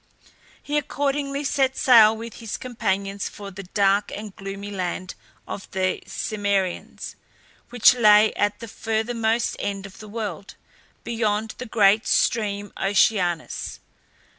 He accordingly set sail with his companions for the dark and gloomy land of the Cimmerians, which lay at the furthermost end of the world, beyond the great stream Oceanus.